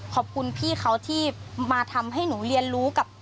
ขอบคุณพี่เขาที่มาทำให้หนูเรียนรู้กับ